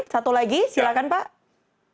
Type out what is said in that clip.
satu lagi silakan pak